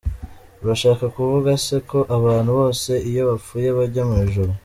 Urashaka kuvuga se ko abantu bose iyo bapfuye bajya mu ijuru ?.